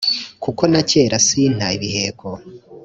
kuko na kera sinta ibiheko